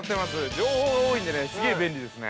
情報が多いんでね、すげぇ便利ですね。